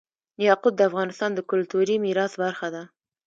یاقوت د افغانستان د کلتوري میراث برخه ده.